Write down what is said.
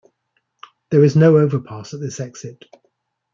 There is no overpass at this exit.